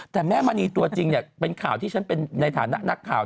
แต่แหม่มะนีตัวจริงเป็นข่าวที่บอกมา